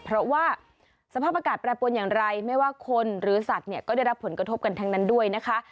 เพราะว่าสภาพอากาศแปรปวนอย่างไรไม่ว่าคนหรือสัตว์เนี่ยก็ได้รับผลกระทบกันทั้งนั้นด้วยนะคะ